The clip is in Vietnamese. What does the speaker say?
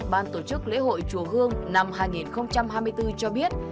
ban tổ chức lễ hội chùa hương năm hai nghìn hai mươi bốn cho biết